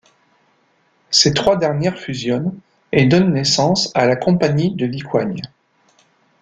Ces trois dernières fusionnent et donnent naissance à la Compagnie de Vicoigne.